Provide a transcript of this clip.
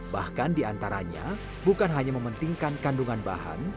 bahkan di antaranya bukan hanya mementingkan kandungan bahan